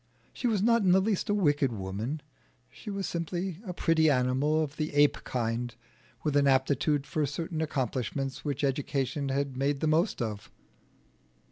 She was not in the least a wicked woman; she was simply a pretty animal of the ape kind, with an aptitude for certain accomplishments which education had made the most of.